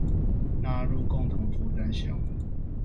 納入共同負擔項目